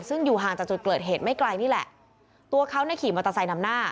ซึ่งอยู่ห่างจากจุดเกิดเหตุไม่ไกลนี่แหละตัวเขาเนี่ยขี่มอเตอร์ไซค์นำหน้า